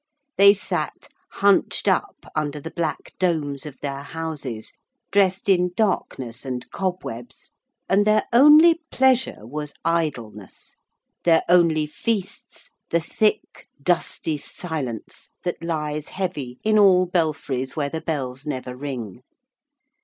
They sat hunched up under the black domes of their houses, dressed in darkness and cobwebs, and their only pleasure was idleness, their only feasts the thick dusty silence that lies heavy in all belfries where the bells never ring.